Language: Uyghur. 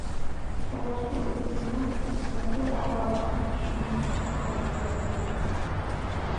شۇڭلاشقا ئۆزىمىزنىڭ ناچار ئەھۋالىدىن چۈشكۈنلىشىشنىڭ ھاجىتى يوق.